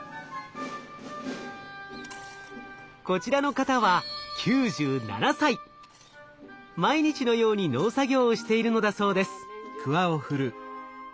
こちらの方は毎日のように農作業をしているのだそうです。